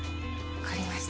分かりました